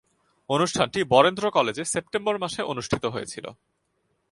অনুষ্ঠানটি বরেন্দ্র কলেজে সেপ্টেম্বর মাসে অনুষ্ঠিত হয়েছিলো।